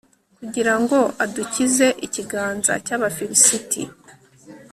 kugira ngo adukize ikiganza cy'abafilisiti